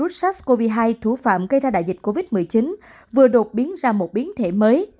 virus sars cov hai thủ phạm gây ra đại dịch covid một mươi chín vừa đột biến ra một biến thể mới